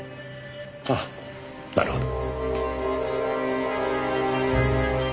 ああなるほど。